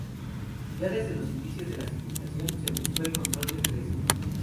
Ya desde los inicios de la civilización se buscó el control de precios.